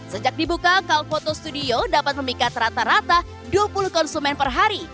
sejak dibuka kalphoto studio dapat memikat rata rata dua puluh konsumen per hari